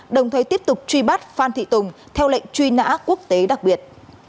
đồng thời tiếp tục truy bắt phan thị tùng theo lệnh truy nã quốc tế đặc biệt